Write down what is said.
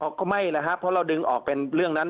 ก็ไม่นะครับเพราะเราดึงออกเป็นเรื่องนั้น